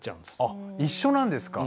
あっ一緒なんですか？